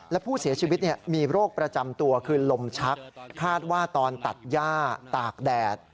และผู้เสียชีวิตมีโรคประจำตัวคือลมชักคาดว่าตอนตัดย่าตากแดด